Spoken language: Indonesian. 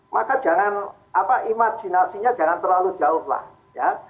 maka jangan imajinasinya jangan terlalu jauh lah ya